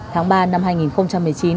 tháng ba năm hai nghìn một mươi chín